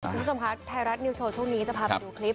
คุณผู้ชมคะไทยรัฐนิวโชว์ช่วงนี้จะพาไปดูคลิป